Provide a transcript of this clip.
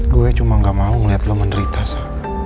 gue cuma gak mau ngeliat lu menderita sa